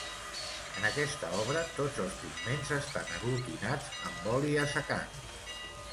En aquesta obra, tots els pigments estan aglutinats amb oli assecant.